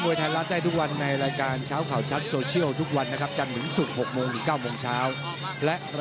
เป็น๒วันต่อสัปดาห์